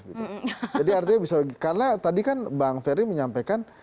karena tadi kan bang ferry menyampaikan